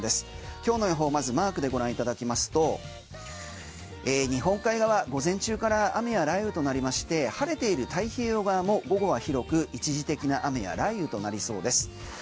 今日の予報まずマークでご覧いただきますと日本海側は午前中から雨や雷雨となりまして晴れている太平洋側も午後は広く一時的な雨や雷雨となりそうです。